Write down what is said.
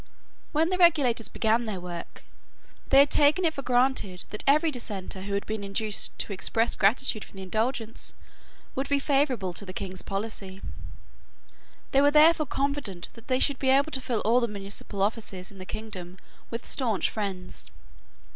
When the regulators began their work, they had taken it for granted that every Dissenter who had been induced to express gratitude for the Indulgence would be favourable to the king's policy. They were therefore confident that they should be able to fill all the municipal offices in the kingdom with staunch friends.